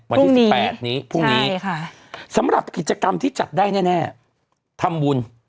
วันที่๑๘นี้พรุ่งนี้สำหรับกิจกรรมที่จัดได้แน่ทำบุญ